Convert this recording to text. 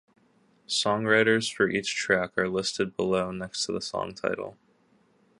Songwriters for each track are listed below next to the song title.